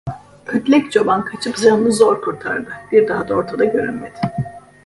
Ödlek çoban kaçıp canını zor kurtardı, bir daha da ortada görünmedi.